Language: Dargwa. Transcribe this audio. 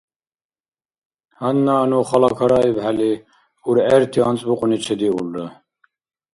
Гьанна, ну халакараибхӀели, ургӀерти анцӀбукьуни чедиулра.